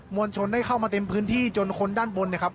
วลชนได้เข้ามาเต็มพื้นที่จนคนด้านบนเนี่ยครับ